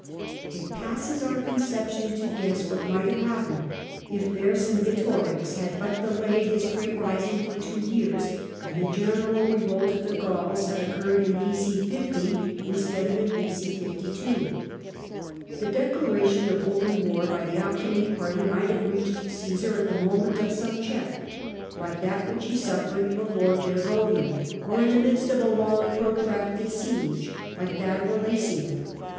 It passes our concep tion to guess what might have happeued if Vercingetorix had but delayed his great rising for two years, and the general revolt of the Gauls had occurred in B.C. 50 instead of in B.C. 52. The declaration of open war by the Optimate party might have reached Osesar at the moment of some check, like that which he suffered before Gei'govia, or in the midst of a long protracted siege like tliat of Alesia.